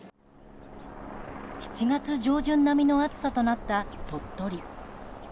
７月上旬並みの暑さとなった鳥取。